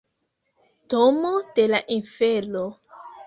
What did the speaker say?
Domo de la Infero